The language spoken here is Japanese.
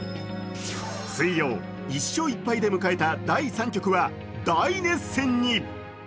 水曜、１勝１敗で迎えた第３局は大熱戦に。